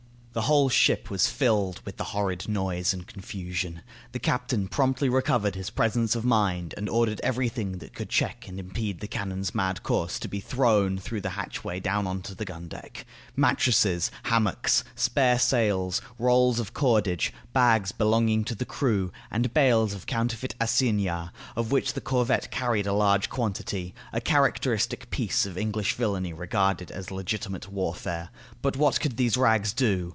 The whole ship was filled with the horrid noise and confusion. The captain promptly recovered his presence of mind and ordered everything that could check and impede the cannon's mad course to be thrown through the hatchway down on the gun deck mattresses, hammocks, spare sails, rolls of cordage, bags belonging to the crew, and bales of counterfeit assignats, of which the corvette carried a large quantity a characteristic piece of English villainy regarded as legitimate warfare. But what could these rags do?